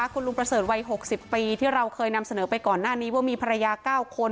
คุณลุงประเสริฐวัย๖๐ปีที่เราเคยนำเสนอไปก่อนหน้านี้ว่ามีภรรยา๙คน